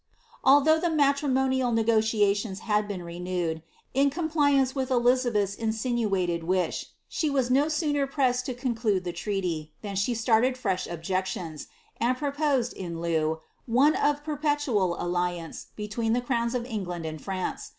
Although the matrimonial negotiations had been renewed, in compli tnce with Elizabeth's insinuated wish, she was no sooner pressed to coaduile the treaty, than she started fresli objections, and proposed, in beo. one of perpetual alliance between the crowns of England and r. uice.